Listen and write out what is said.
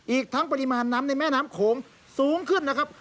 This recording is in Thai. อีกทั้งปริมาณน้ำในแม่น้ำโขงสูงขึ้นนะครับ